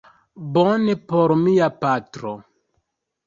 Bone, por mia patro